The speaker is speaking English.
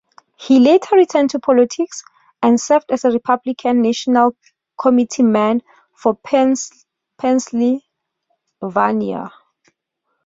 He later returned to politics and served as a Republican national committeeman for Pennsylvania.